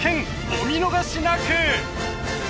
お見逃しなく！